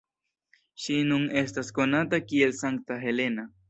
Ŝi nun estas konata kiel Sankta Helena.